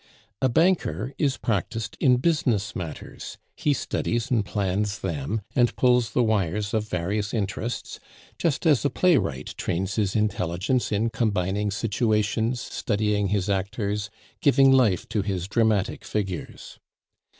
A banker is practised in business matters; he studies and plans them, and pulls the wires of various interests, just as a playwright trains his intelligence in combining situations, studying his actors, giving life to his dramatic figures.